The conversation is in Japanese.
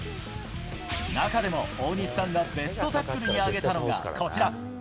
中でも大西さんがベストタックルに挙げたのがこちら。